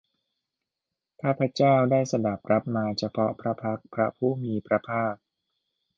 ข้าพเจ้าได้สดับรับมาเฉพาะพระพักตร์พระผู้มีพระภาค